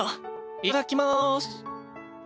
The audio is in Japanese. いただきます。